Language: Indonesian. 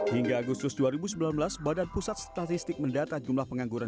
hingga agustus dua ribu sembilan belas badan pusat statistik mendata jumlah pengangguran